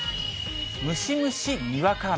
ムシムシにわか雨。